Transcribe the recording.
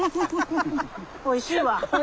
おいしいわ。